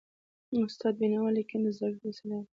استاد د بينوا ليکني د زده کړي وسیله ده.